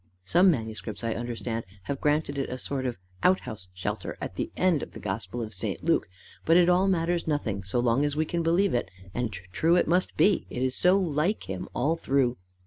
Some manuscripts, I understand, have granted it a sort of outhouse shelter at the end of the gospel of St. Luke. But it all matters nothing, so long as we can believe it; and true it must be, it is so like him all through.